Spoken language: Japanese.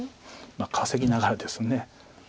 稼ぎながらです。